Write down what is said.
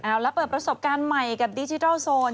เอาละเปิดประสบการณ์ใหม่กับดิจิทัลโซน